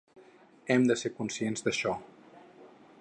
Hem de ser conscients d’això.